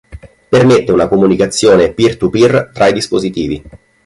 Permette una comunicazione "peer-to-peer" tra i dispositivi.